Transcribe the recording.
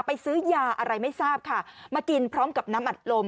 ซื้อยาอะไรไม่ทราบค่ะมากินพร้อมกับน้ำอัดลม